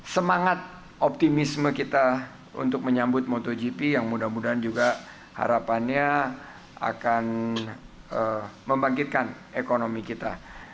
semangat optimisme kita untuk menyambut motogp yang mudah mudahan juga harapannya akan membangkitkan ekonomi kita